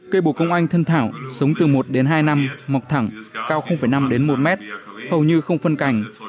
cây bồ công anh thân thảo sống từ một đến hai năm mọc thẳng cao năm đến một mét hầu như không phân cảnh